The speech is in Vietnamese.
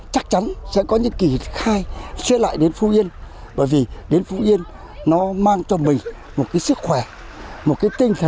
chắc chắn sẽ có những kết quả